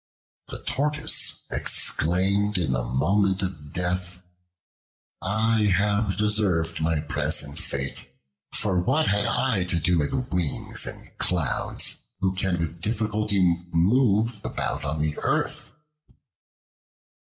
The Tortoise exclaimed in the moment of death: "I have deserved my present fate; for what had I to do with wings and clouds, who can with difficulty move about on the earth?"